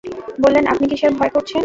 বললেন, আপনি কিসের ভয় করছেন?